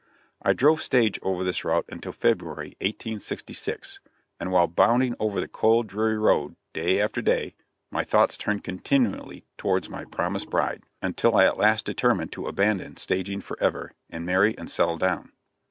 I drove stage over this route until February, 1866, and while bounding over the cold, dreary road day after day, my thoughts turned continually towards my promised bride, until I at last determined to abandon staging forever, and marry and settle down.